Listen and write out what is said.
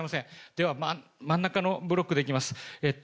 では、真ん中のブロックでいきます。